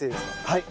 はい。